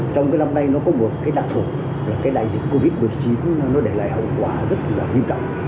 trong cái năm nay nó có một cái đặc thù là cái đại dịch covid một mươi chín nó để lại hậu quả rất là nghiêm trọng